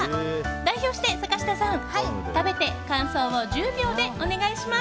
代表して坂下さん、食べて感想を１０秒でお願いします。